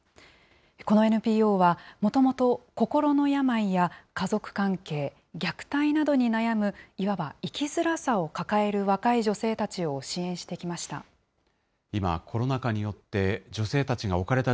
このＮＰＯは、もともと心の病や家族関係、虐待などに悩む、いわば生きづらさを抱える若い女性たちを支援してきました。